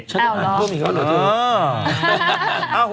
ฉันต้องอ่านเพิ่มอีกครั้งเหรอ